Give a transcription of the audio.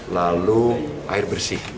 lalu air bersih